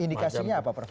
indikasinya apa prof